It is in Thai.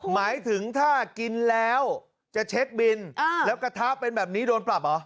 หมายถึงถ้ากินแล้วจะเช็คบินแล้วกระทะเป็นแบบนี้โดนปรับเหรอ